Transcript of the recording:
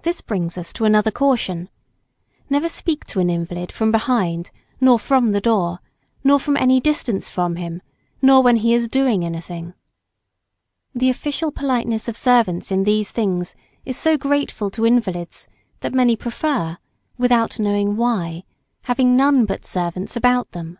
This brings us to another caution. Never speak to an invalid from behind, nor from the door, nor from any distance from him, nor when he is doing anything. The official politeness of servants in these things is so grateful to invalids, that many prefer, without knowing why, having none but servants about them.